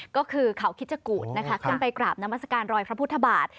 ก็คือเขาคิดจกูตขึ้นไปกราบน้ำอาสการรอยพระพุทธบาท